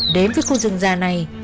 đếm với khu rừng dài này